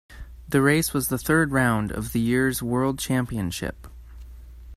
The race was the third round of the year's World Championship.